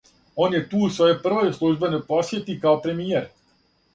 Он је ту у својој првој службеној посјети као премијер.